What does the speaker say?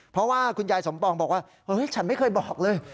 เพราะว่าคุณยายสมปองบอกว่าเฮ้ยฉันไม่เคยบอกเลย